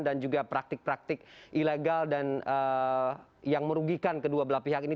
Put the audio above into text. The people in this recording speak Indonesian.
dan juga praktik praktik ilegal dan yang merugikan kedua belah pihak ini